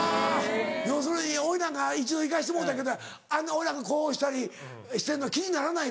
要するに俺なんか一度行かせてもろうたけど俺らがこうしたりしてるの気にならないの？